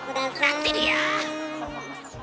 待ってるよ！